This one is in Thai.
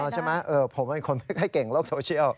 ใช่ไหมผมเป็นคนไม่ค่อยเก่งโลกโซเชียล